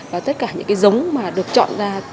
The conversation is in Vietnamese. và tất cả những cái giống mà được chọn ra